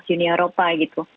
uni eropa gitu